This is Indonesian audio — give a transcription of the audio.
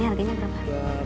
ini harganya berapa